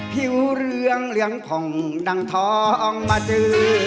ผิวเหลืองเหลืองผ่องดังท้องมาดื้อ